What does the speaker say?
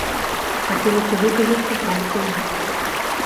Хацелася выказацца проста і ясна.